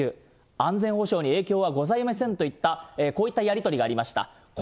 安全保障に影響はございませんといった、こういったやり取りがありました。